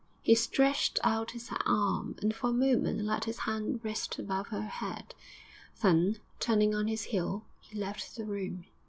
He stretched out his arm, and for a moment let his hand rest above her head; then, turning on his heel, he left the room.